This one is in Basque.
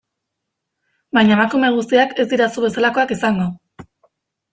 Baina emakume guztiak ez dira zu bezalakoak izango...